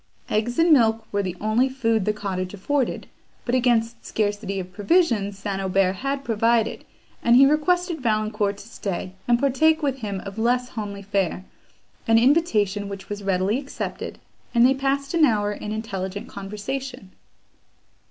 Eggs and milk were the only food the cottage afforded; but against scarcity of provisions St. Aubert had provided, and he requested Valancourt to stay, and partake with him of less homely fare; an invitation, which was readily accepted, and they passed an hour in intelligent conversation.